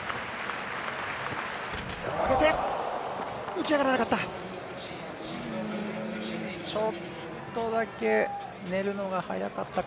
浮き上がらなかった。